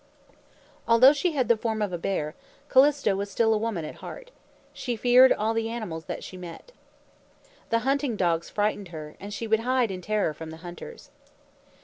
Although she had the form of a bear, Callisto was still a woman at heart. She feared all the animals that she met. The hunting dogs frightened her, and she would hide in terror from the hunters.